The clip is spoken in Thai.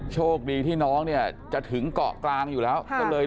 โชคดีที่น้องเนี่ยจะถึงเกาะกลางอยู่แล้ว